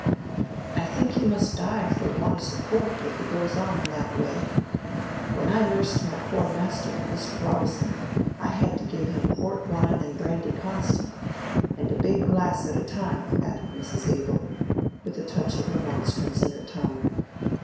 "I think he must die for want o' support, if he goes on in that way. When I nursed my poor master, Mr. Robisson, I had to give him port wine and brandy constant, and a big glass at a time," added Mrs. Abel, with a touch of remonstrance in her tone.